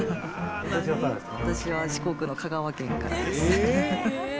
私は四国の香川県からです。